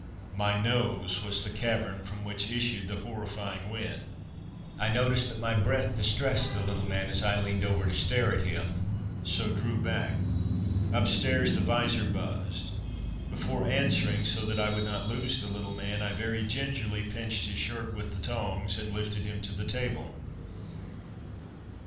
_My nose was the cavern from which issued the horrifying wind. I noticed that my breath distressed the little man as I leaned over to stare at him, so drew back._ _Upstairs, the visor buzzed. Before answering, so that I would not lose the little man, I very gingerly pinched his shirt with the tongs, and lifted him to the table.